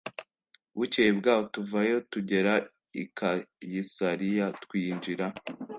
bukeye bwaho tuvayo tugera i kayisariya twinjira